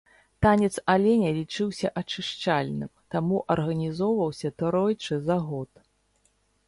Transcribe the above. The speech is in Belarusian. Танец аленя лічыўся ачышчальным, таму арганізоўваўся тройчы за год.